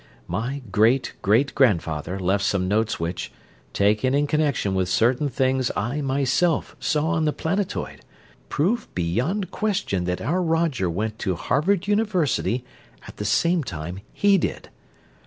My great great grandfather left some notes which, taken in connection with certain things I myself saw on the planetoid, prove beyond question that our Roger went to Harvard University at the same time he did.